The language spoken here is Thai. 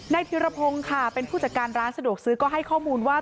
ธิรพงศ์ค่ะเป็นผู้จัดการร้านสะดวกซื้อก็ให้ข้อมูลว่า